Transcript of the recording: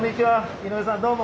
井上さんどうも。